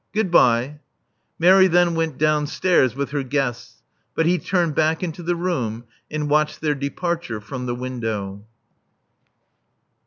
Goodbye." Mary then went downstairs with her guests; but he turned back into the room, and watched their departure from the window.